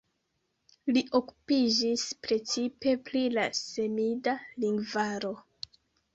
Li okupiĝis precipe pri la semida lingvaro.